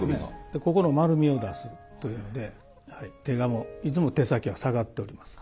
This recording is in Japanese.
ここの丸みを出すというのでいつも手先は下がっております。